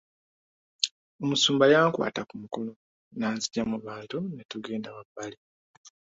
Omusumba yankwata ku mukono n'anzigya mu bantu ne tugenda wabbali.